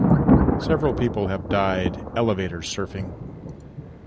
Several people have died elevator surfing.